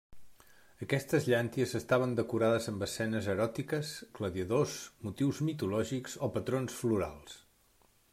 Aquestes llànties estaven decorades amb escenes eròtiques, gladiadors, motius mitològics o patrons florals.